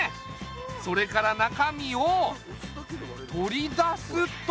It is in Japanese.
それから中身を取り出すと。